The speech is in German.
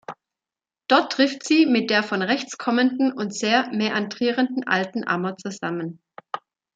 Dort trifft sie mit der von rechts kommenden und sehr mäandrierenden Alten Ammer zusammen.